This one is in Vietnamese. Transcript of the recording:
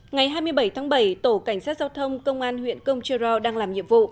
ngày hai mươi bảy tháng bảy tổ cảnh sát giao thông công an huyện công chơ ro đang làm nhiệm vụ